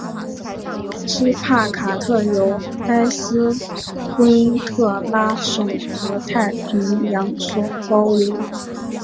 锡帕卡特由埃斯昆特拉省和太平洋所包围。